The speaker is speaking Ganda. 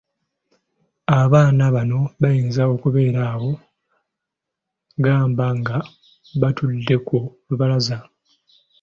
Abaana bano bayinza okubeera awo gamba nga batudde ku lubalaza.